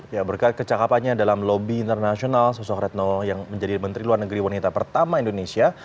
ya berkat kecakapannya dalam lobby internasional sosok retno yang menjadi menteri luar negeri wanita pertama indonesia